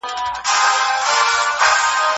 ساده ژبه کارول د لیکوال مهارت ښيي.